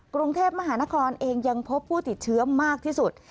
กรุงเทพมหานครเองยังพบผู้ติดเชื้อมากที่สุด